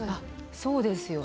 そうですよね。